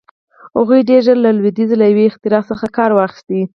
هغوی ډېر ژر له لوېدیځ له یوې اختراع څخه کار واخیست.